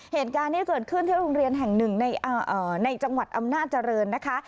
เหตุการณ์นี้เกิดขึ้นที่โรงเรียนแห่งหนึ่งในจังหวัดอำนาจเจริญนะคะ